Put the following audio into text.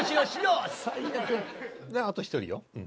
あと１人よ。